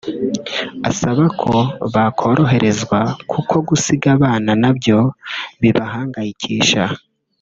asaba ko bakoroherezwa kuko gusiga abana na byo bibahangayikisha